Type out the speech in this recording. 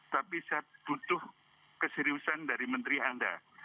tapi saya butuh keseriusan dari menteri anda